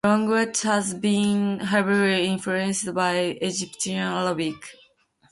The language has been heavily influenced by Egyptian Arabic.